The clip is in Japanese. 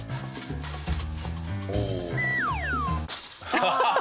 ハハハハ！